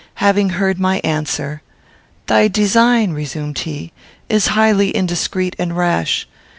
Having heard my answer, "Thy design," resumed he, "is highly indiscreet and rash.